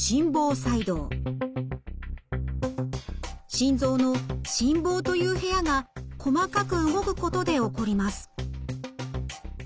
心臓の心房という部屋が細かく動くことで起こります。